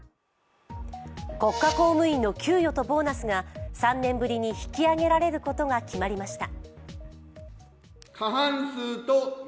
国家公務員の給与とボーナスが３年ぶりに引き上げられることが決まりました。